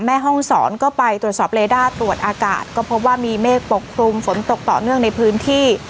แม่ห้องศรก็ไปตรวจสอบเลด้าตรวจอากาศก็พบว่ามีเมฆปกคลุมฝนตกต่อเนื่องในพื้นที่